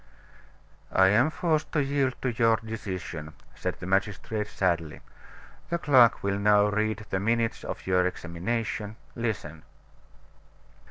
"I am forced to yield to your decision," said the magistrate sadly. "The clerk will now read the minutes of your examination listen."